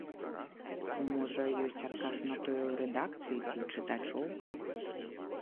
Можа, ёсць адказ на тое ў рэдакцыі ці ў чытачоў?